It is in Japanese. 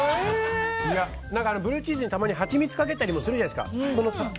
ブルーチーズにたまにハチミツかけたりもするじゃないですか。